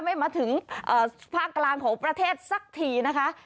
ไม่มาถึงภาคกลางของประเทศสักทีนะคะ